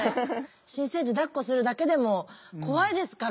新生児だっこするだけでも怖いですからね。